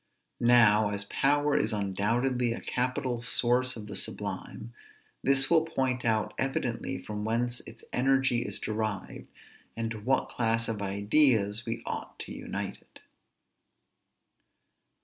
Now, as power is undoubtedly a capital source of the sublime, this will point out evidently from whence its energy is derived, and to what class of ideas we ought to unite it.